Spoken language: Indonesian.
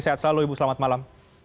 sehat selalu ibu selamat malam